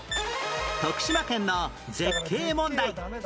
徳島県の絶景問題